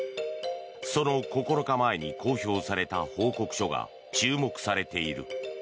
その９日前に公表された報告書が注目されている。